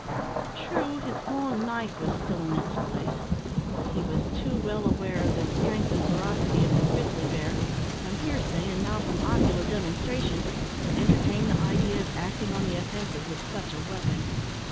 True, his long knife was still in its place, but he was too well aware of the strength and ferocity of the grizzly bear from hearsay, and now from ocular demonstration to entertain the idea of acting on the offensive with such a weapon.